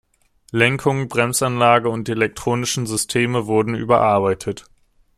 Lenkung, Bremsanlage und die elektronischen Systeme wurden überarbeitet.